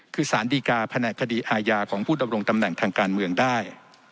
คือสารดีกาแผนกคดีอาญาของผู้ดำรงตำแหน่งทางการเมืองได้